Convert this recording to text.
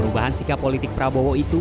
perubahan sikap politik prabowo itu